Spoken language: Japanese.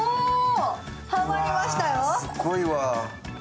すごいわ。